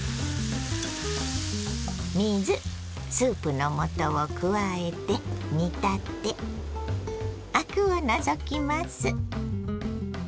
水スープの素を加えて煮立てアクを除きます。